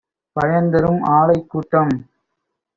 பயன்தரும் ஆலைக் கூட்டம்